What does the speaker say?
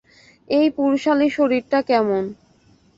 এই পুরুষালী শরীরটা কেমন?